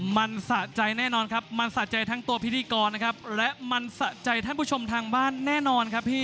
มันสะใจแน่นอนครับมันสะใจทั้งตัวพิธีกรนะครับและมันสะใจท่านผู้ชมทางบ้านแน่นอนครับพี่